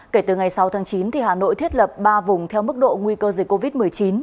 kể từ ngày sáu tháng chín hà nội thiết lập ba vùng theo mức độ nguy cơ dịch covid một mươi chín